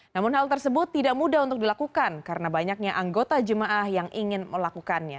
namun hal tersebut tidak mudah untuk dilakukan karena banyaknya anggota jemaah yang ingin melakukannya